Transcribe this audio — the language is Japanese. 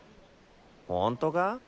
ほんとか？